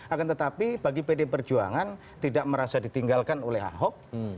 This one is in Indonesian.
akan tetapi bagi pd perjuangan tidak merasa ditinggalkan oleh ahok